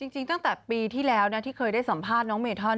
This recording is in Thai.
จริงตั้งแต่ปีที่แล้วนะที่เคยได้สัมภาษณ์น้องเมทอน